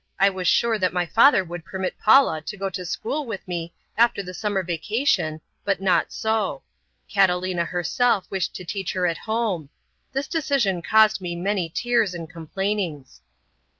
I was sure that my father would permit Paula to go to school with me after the summer vacation, but not so. Catalina herself wished to teach her at home. This decision caused me many tears and complainings.